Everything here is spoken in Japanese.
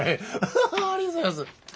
ハハーッありがとうございます。